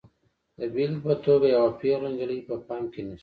د بېلګې په توګه یوه پیغله نجلۍ په پام کې نیسو.